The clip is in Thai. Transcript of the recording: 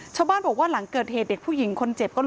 ชาวบ้านบอกว่าหลังเกิดเหตุเด็กผู้หญิงคนเจ็บ